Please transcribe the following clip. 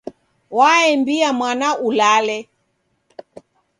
Waembia mwana ulale.